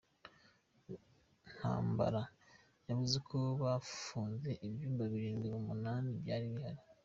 Ntambara yavuze ko bafunze ibyambu birindwi mu munani byari bihari.